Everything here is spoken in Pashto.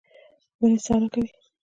ونې سا راکوي.